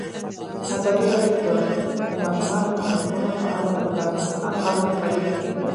ازادي راډیو د د ماشومانو حقونه په اړه د کارپوهانو خبرې خپرې کړي.